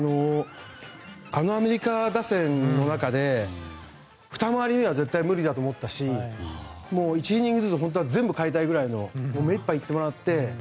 あのアメリカ打線の中でふた回り目は絶対無理だと思ったし１イニングずつ全部代えたいくらいの目いっぱいいってもらって。